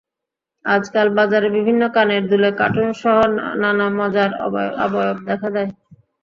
আজকাল বাজারে বিভিন্ন কানের দুলে কার্টুনসহ নানা মজার অবয়ব দেখা যায়।